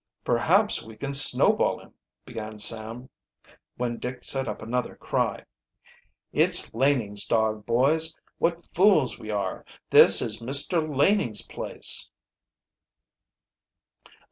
"Perhaps we can snowball him " began Sam, when Dick set up another cry. "It's Laning's dog, boys. What fools we are! This is Mr. Laning's place."